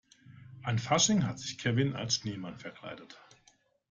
An Fasching hat sich Kevin als Schneemann verkleidet.